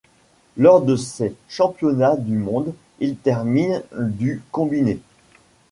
Lors de ces championnats du monde, il termine du combiné.